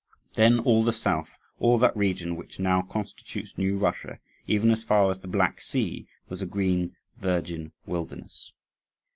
Then all the South, all that region which now constitutes New Russia, even as far as the Black Sea, was a green, virgin wilderness.